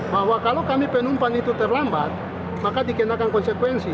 bahwa kalau kami penumpang itu terlambat maka dikenakan konsekuensi